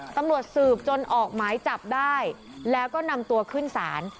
ตำรวจสืบจนออกหมายจับได้แล้วก็นำตัวขึ้นศาล